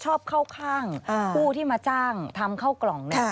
ชอบเข้าข้างผู้ที่มาจ้างทำเข้ากล่องเนี่ย